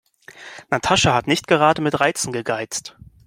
Natascha hat nicht gerade mit Reizen gegeizt.